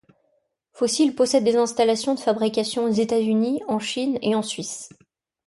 Fossil possède des installations de fabrication aux États-Unis, en Chine et en Suisse.